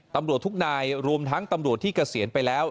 ตำรวจทุกนายรวมทั้งตำรวจที่เกษียณไปแล้ว